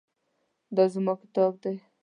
دا زما کتاب دی